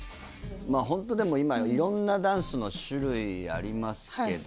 ホント今いろんなダンスの種類ありますけど。